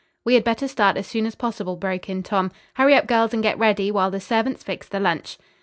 "We had better start as soon as possible," broke in Tom. "Hurry up, girls, and get ready, while the servants fix the lunch."